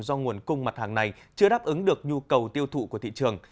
do nguồn cung mặt hàng này chưa đáp ứng được nhu cầu tiêu thụ của thị trường